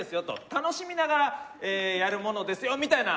楽しみながらやるものですよみたいな。